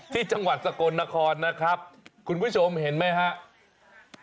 จังหวัดสกลนครนะครับคุณผู้ชมเห็นไหมครับ